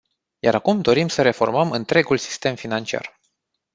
Iar acum dorim să reformăm întregul sistem financiar.